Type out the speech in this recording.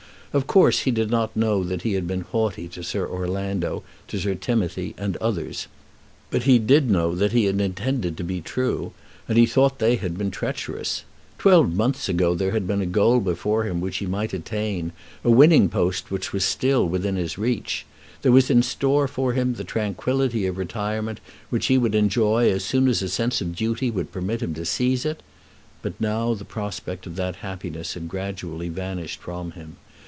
Of course he did not know that he had been haughty to Sir Orlando, to Sir Timothy, and others. But he did know that he had intended to be true, and he thought that they had been treacherous. Twelve months ago there had been a goal before him which he might attain, a winning post which was still within his reach. There was in store for him the tranquillity of retirement which he would enjoy as soon as a sense of duty would permit him to seize it. But now the prospect of that happiness had gradually vanished from him.